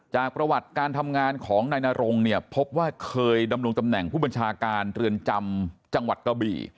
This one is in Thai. จากประวัติการทำงานของนายนรงเนี่ยพบว่าเคยดำรงตำแหน่งผู้บัญชาการเรือนจำจังหวัดกระบี่